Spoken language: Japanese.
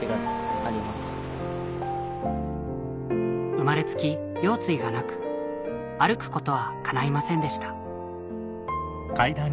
生まれつき腰椎がなく歩くことはかないませんでした